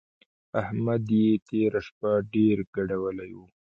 احمد يې تېره شپه ډېر ګډولی وو.